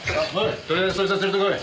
とりあえずそいつは連れてこい。